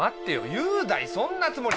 雄大そんなつもりない。